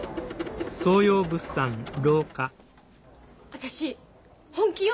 私本気よ。